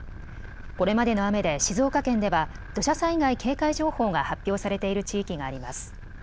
これまでの雨で静岡県では土砂災害警戒情報が発表されている地域があります。